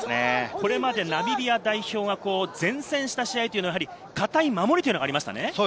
これまで、ナミビア代表が善戦した試合は堅い守りがありましたね。